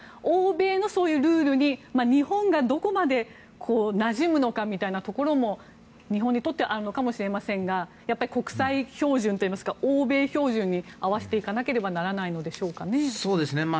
欧米のそういうルールに日本がどこまでなじむのかみたいなところもあるのかもしれませんが国際標準といいますか欧米標準に合わせていかなければならないのでしょうかね。